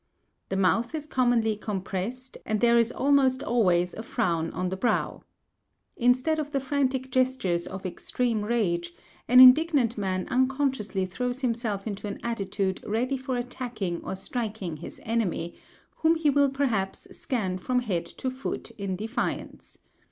The mouth is commonly compressed, and there is almost always a frown on the brow. Instead of the frantic gestures of extreme rage, an indignant man unconsciously throws himself into an attitude ready for attacking or striking his enemy, whom he will perhaps scan from head to foot in defiance.